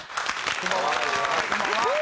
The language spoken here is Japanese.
こんばんは！